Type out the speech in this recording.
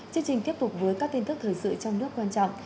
chương trình tiếp tục với các tin tức thời sự trong nước quan trọng